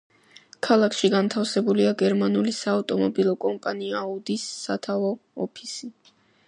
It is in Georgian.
ქალაქში განთავსებულია გერმანული საავტომობილო კომპანია აუდის სათავო ოფისი.